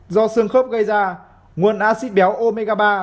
do xương khớp gây ra nguồn acid béo omega ba